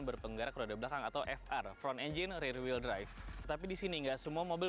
berpenggarak roda belakang atau fr front engine rare wheel drive tetapi di sini enggak semua mobil